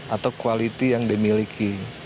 atau kualiti yang dimiliki